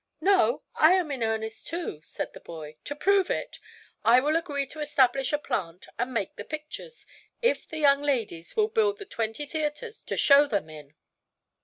"No; I am in earnest, too," said the boy. "To prove it, I will agree to establish a plant and make the pictures, if the young ladies will build the twenty theatres to show them in."